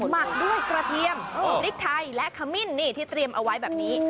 หมักด้วยกระเทียมพริกไทยและขมิ้นนี่ที่เตรียมเอาไว้แบบนี้